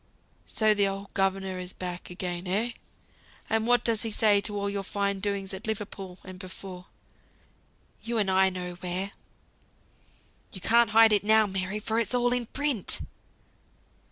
"So the old governor is back again, eh? And what does he say to all your fine doings at Liverpool, and before? you and I know where. You can't hide it now, Mary, for it's all in print."